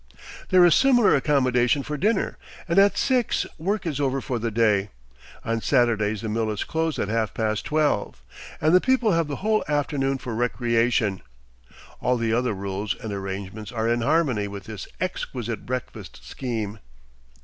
There is similar accommodation for dinner, and at six work is over for the day. On Saturdays the mill is closed at half past twelve, and the people have the whole afternoon for recreation. All the other rules and arrangements are in harmony with this exquisite breakfast scheme.